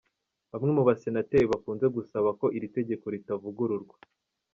Bamwe mu basenateri bakunze gusaba ko iri tegeko ritavugururwa.